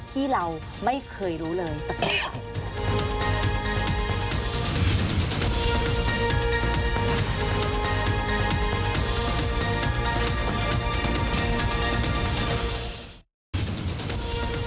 ที่เราไม่เคยรู้เลยสักที